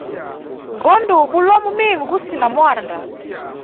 Go nduwa bulomo mimi gusinamwanda.